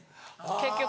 結局。